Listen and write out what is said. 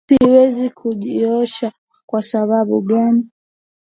Siwezi kujiosha kwa sababu gani.